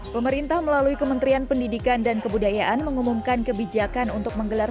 pemerintah melalui kementerian pendidikan dan kebudayaan mengumumkan kebijakan untuk menggelar